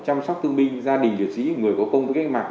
chăm sóc thương binh gia đình liệt sĩ người có công với cách mạng